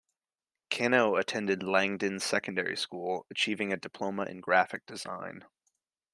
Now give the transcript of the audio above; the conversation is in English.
Kano attended Langdon Secondary School, achieving a diploma in graphic design.